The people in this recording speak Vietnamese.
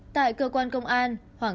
tại cơ quan công an